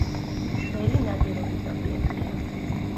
შველი ნადირობის ობიექტია.